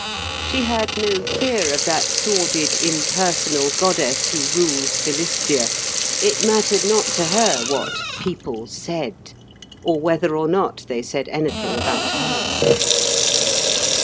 She had no fear of that sordid impersonal goddess who rules Philistia; it mattered not to her what "people said," or whether or not they said anything about her.